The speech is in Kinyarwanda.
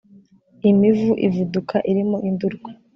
imivu ivuduka irimo indurwe